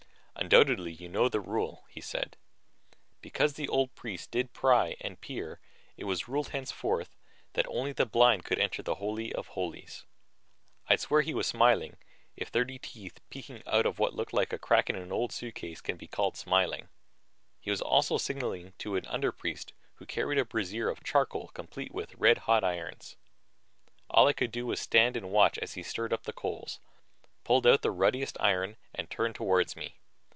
"Undoubtedly you know of the rule," he said. "Because the old priests did pry and peer, it was ruled henceforth that only the blind could enter the Holy of Holies." I'd swear he was smiling, if thirty teeth peeking out of what looked like a crack in an old suitcase can be called smiling. He was also signaling to him an underpriest who carried a brazier of charcoal complete with red hot irons. All I could do was stand and watch as he stirred up the coals, pulled out the ruddiest iron and turned toward me.